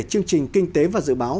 chương trình kinh tế và dự báo